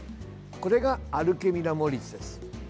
これがアルケミラ・モリスです。